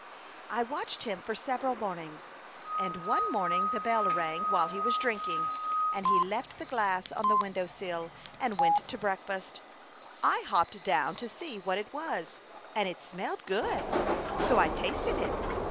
I watched him for several mornings, and one morning the bell rang while he was drinking, and he left the glass on the window sill, and went to breakfast. I hopped down to see what it was, and it smelled good, so I tasted it.